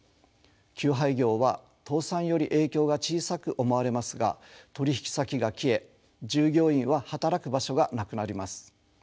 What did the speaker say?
休廃業は倒産より影響が小さく思われますが取引先が消え従業員は働く場所がなくなります。